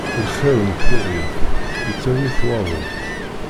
Lxiṛ n tiɣilt, ittawi-t waḍu.